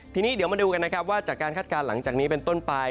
ทีนี้เดี๋ยวมาดูกันนะครับว่าจากการคาดการณ์หลังจากนี้เป็นต้นไป